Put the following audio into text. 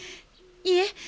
いえ